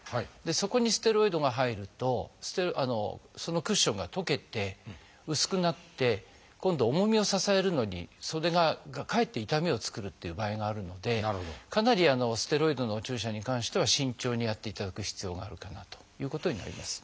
そこにステロイドが入るとそのクッションが溶けて薄くなって今度重みを支えるのにそれがかえって痛みを作るっていう場合があるのでかなりステロイドのお注射に関しては慎重にやっていただく必要があるかなということになります。